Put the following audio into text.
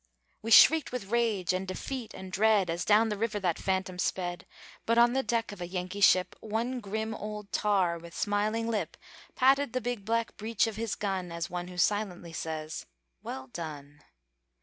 We shrieked with rage, and defeat, and dread, As down the river that phantom sped; But on the deck of a Yankee ship, One grim old tar, with a smiling lip, Patted the big black breech of his gun, As one who silently says, "Well done!"